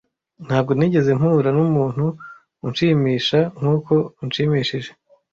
Ntabwo nigeze mpura numuntu unshimisha nkuko unshimishije.